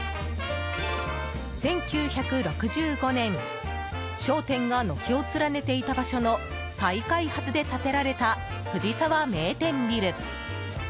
１９６５年商店が軒を連ねていた場所の再開発で建てられたフジサワ名店ビル。